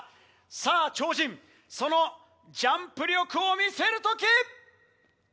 さぁ超人そのジャンプ力を見せる時！